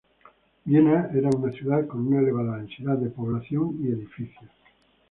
Viena era una ciudad con una elevada densidad de población y edificios.